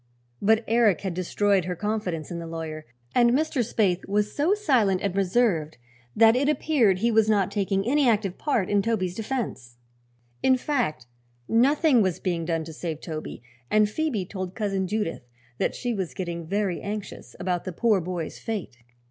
But Eric had destroyed her confidence in the lawyer, and Mr. Spaythe was so silent and reserved that it appeared he was not taking any active part in Toby's defense. In fact, nothing was being done to save Toby, and Phoebe told Cousin Judith that she was getting very anxious about the poor boy's fate.